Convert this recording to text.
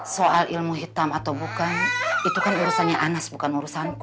soal ilmu hitam atau bukan itu kan urusannya anas bukan urusanku